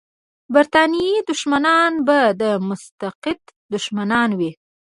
د برتانیې دښمنان به د مسقط دښمنان وي.